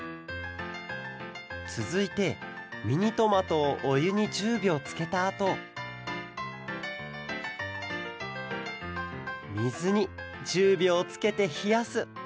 つづいてミニトマトをおゆに１０びょうつけたあとみずに１０びょうつけてひやす。